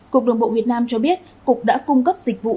cục đường bộ việt nam cho biết cục đã cung cấp dịch vụ